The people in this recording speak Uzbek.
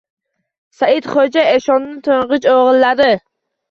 Saidxo‘ja eshonni to‘ng‘ich o‘g‘illari.